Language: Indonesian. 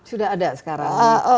sudah ada sekarang